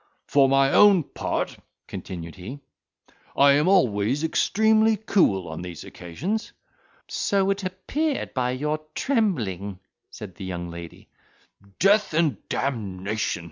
"For my own part," continued he, "I am always extremely cool on these occasions." "So it appeared, by your trembling," said the young lady. "Death and d—ion!"